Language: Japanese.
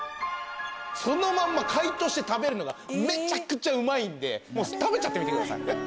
そのまんま解凍して食べるのがめちゃくちゃうまいんで食べちゃってみてください。